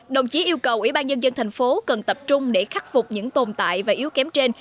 đồng chí yêu cầu ủy ban nhân dân thành phố cần tập trung để khắc phục những tồn tại và yếu kém trên